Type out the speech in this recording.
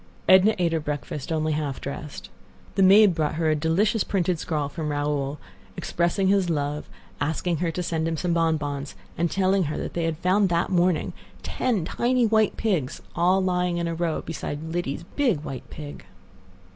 Edna ate her breakfast only half dressed. The maid brought her a delicious printed scrawl from Raoul, expressing his love, asking her to send him some bonbons, and telling her they had found that morning ten tiny white pigs all lying in a row beside Lidie's big white pig.